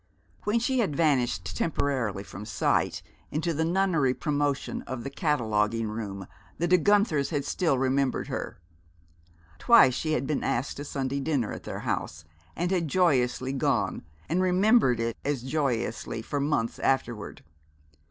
When she had vanished temporarily from sight into the nunnery promotion of the cataloguing room the De Guenthers had still remembered her. Twice she had been asked to Sunday dinner at their house, and had joyously gone and remembered it as joyously for months afterward.